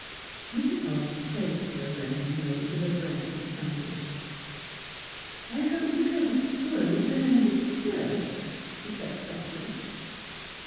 Mrs. Hobbs chafed her reddened nose with a breadth of cambric. " I hope you haven't spoiled the hang of the skirt," she said fretfully.